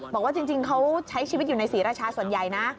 บอกว่าจริงเขาใช้ชีวิตอยู่ในศรีราชาส่วนใหญ่นะ